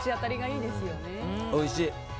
おいしい。